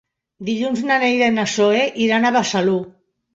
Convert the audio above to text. Dilluns na Neida i na Zoè iran a Besalú.